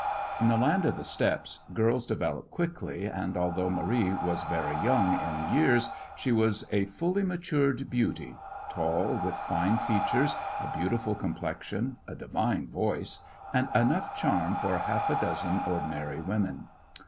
In the land of the steppes, girls develop quickly, and although Marie was very young in years she was a fully matured beauty, tall, with fine features, a beautiful complexion, a divine voice, and enough charm for half a dozen ordinary women.